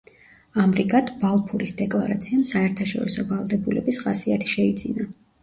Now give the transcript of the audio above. ამრიგად, „ბალფურის დეკლარაციამ“ საერთაშორისო ვალდებულების ხასიათი შეიძინა.